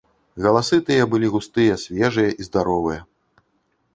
Галасы тыя былі густыя, свежыя і здаровыя.